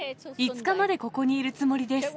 ５日までここにいるつもりです。